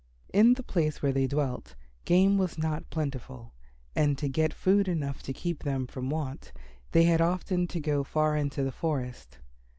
In the place where they dwelt, game was not plentiful, and to get food enough to keep them from want they had often to go far into the forest.